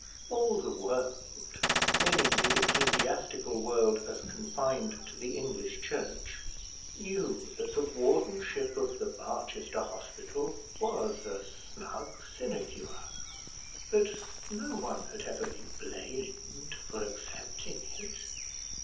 All the world, meaning the ecclesiastical world as confined to the English church, knew that the wardenship of the Barchester Hospital was a snug sinecure, but no one had ever been blamed for accepting it.